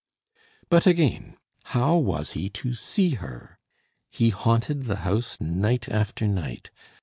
But again, how was he to see her? He haunted the house night after night.